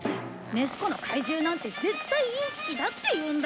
「ネス湖の怪獣なんて絶対インチキだ」って言うんだ！